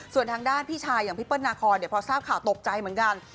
ส่วนทางด้านพี่ชายอย่างพี่เปิ้ลนาคอนพอทราบข่าวตกใจเหมือนกัน